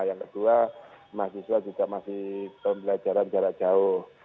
yang kedua mahasiswa juga masih pembelajaran jarak jauh